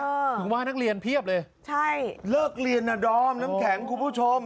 ถึงว่านักเรียนเพียบเลยใช่เลิกเรียนน่ะดอมน้ำแข็งคุณผู้ชม